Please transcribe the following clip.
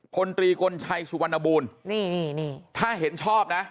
พลตรีกลชัยสวนบูลถ้าเห็นชอบนะ